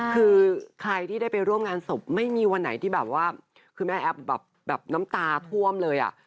คือใครที่ได้ไปร่วมงานศพไม่มีวันไหนที่แบบว่าคือแม่แอฟแบบน้ำตาท่วมเลยอ่ะ